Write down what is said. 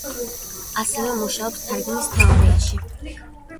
ასევე მუშაობს თარგმანის თეორიაში.